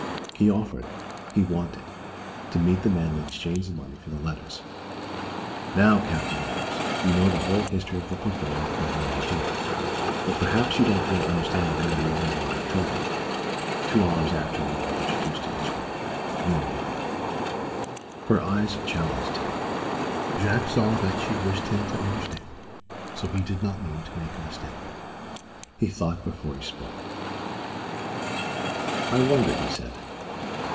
He offered he wanted to meet the man and exchange the money for the letters. Now, Captain Manners, you know the whole history of the 'Pavoya' Claremanagh affair. But perhaps you don't yet understand all the reasons why I've told it, two hours after we were introduced to each other you and I!" Her eyes challenged him. Jack saw that she wished him to understand, and so he did not mean to make a mistake. He thought before he spoke. "I wonder?" he said.